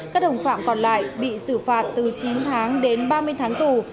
các đồng phạm còn lại bị xử phạt từ chín tháng đến ba mươi tháng tù